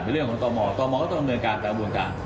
เป็นเรื่องของตรมตรมก็ต้องเมืองการตรม